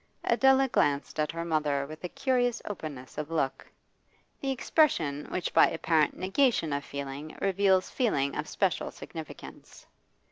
Adela glanced at her mother with a curious openness of look the expression which by apparent negation of feeling reveals feeling of special significance.